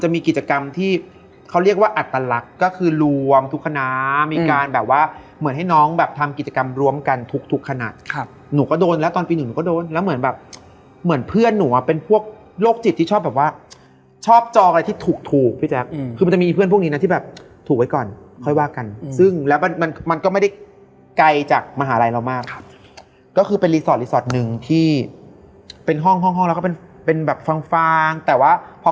นักก็น่าเสียแบบนึงก็เหมือนแบบเงียบแล้วก็แบบเล่ามานักก็แบบว่า